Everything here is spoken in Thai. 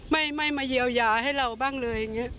ไม่มาเยียวยาให้เราบ้างเลยเนี่ย